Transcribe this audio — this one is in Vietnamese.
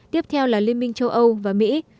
tiếp theo là liên minh châu âu và mỹ